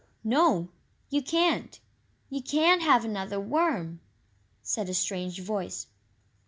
] "No! you can't. You can't have another WORM!" said a strange voice.